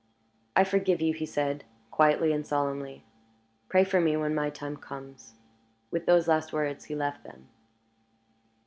"I forgive you," he said, quietly and solemnly. "Pray for me when my time comes." With those last words, he left them.